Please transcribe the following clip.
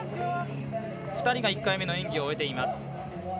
２人が１回目の演技を終えています。